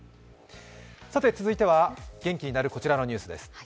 続いては元気になるこちらのニュースです。